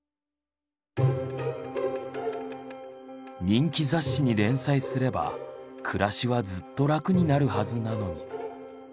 人気雑誌に連載すれば暮らしはずっと楽になるはずなのに。